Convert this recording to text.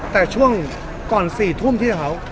แต่ช่วงก่อน๔ทุ่มที่เขา